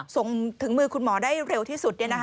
ส่งถึงมือคุณหมอได้เร็วที่สุด